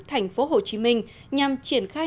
tp hcm nhằm triển khai